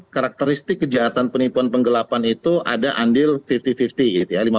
karakteristik kejahatan penipuan penggelapan itu ada andil lima puluh lima puluh gitu ya